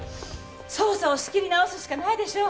捜査を仕切り直すしかないでしょう。